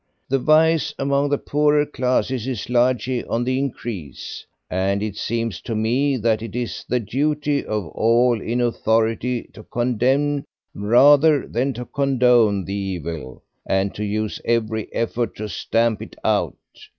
The vice among the poorer classes is largely on the increase, and it seems to me that it is the duty of all in authority to condemn rather than to condone the evil, and to use every effort to stamp it out.